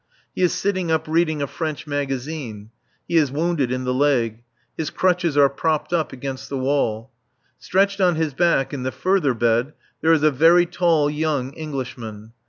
He is sitting up reading a French magazine. He is wounded in the leg. His crutches are propped up against the wall. Stretched on his back in the further bed there is a very tall young Englishman.